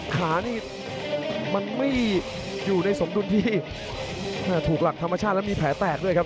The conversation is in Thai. ขานี่มันไม่อยู่ในสมดุลที่ถูกหลักธรรมชาติแล้วมีแผลแตกด้วยครับ